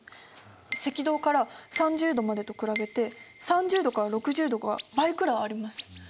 赤道から３０度までと比べて３０度から６０度が倍くらいあります。